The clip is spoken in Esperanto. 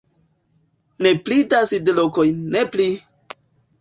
"Ne pli da sidlokoj, ne pli!"